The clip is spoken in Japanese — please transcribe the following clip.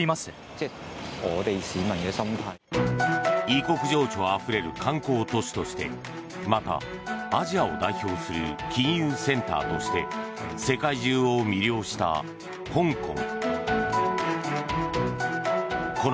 異国情緒あふれる観光都市としてまたアジアを代表する金融センターとして世界中を魅了した香港。